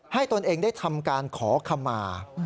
ตนเองได้ทำการขอขมา